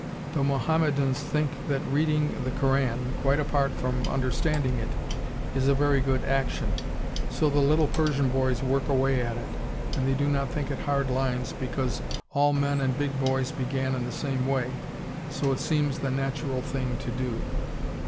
The Mohammedans think that reading the Koran, quite apart from understanding it, is a very good action, so the little Persian boys work away at it, and they do not think it hard lines because all men and big boys began in the same way, so it seems the natural thing to do.